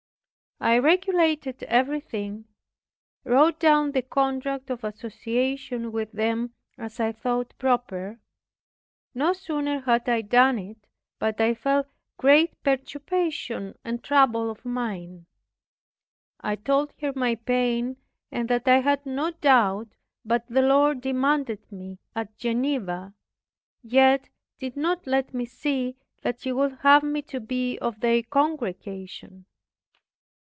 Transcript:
I regulated everything, wrote down the contract of association with them as I thought proper. No sooner had I done it, but I felt great perturbation and trouble of mind. I told her my pain, and that I had no doubt but the Lord demanded me at Geneva, yet did not let me see that He would have me to be of their congregation.